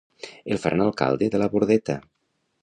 El faran alcalde de la Bordeta!